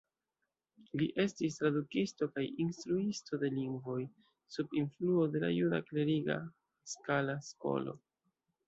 Li estis tradukisto kaj instruisto de lingvoj, sub influo de la juda kleriga Haskala-skolo.